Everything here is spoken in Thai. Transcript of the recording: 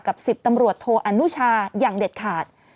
๑๐ตำรวจโทอนุชาอย่างเด็ดขาด